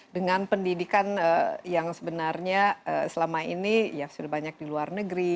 dengan pendidikan yang sebenarnya selama ini ya sudah banyak di luar negeri